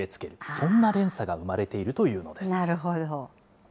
そんな連鎖が生まれているというのです。